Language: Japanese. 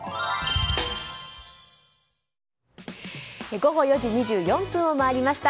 午後４時２４分を回りました。